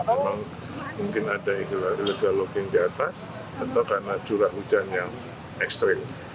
memang mungkin ada illegal locking di atas atau karena curah hujan yang ekstrim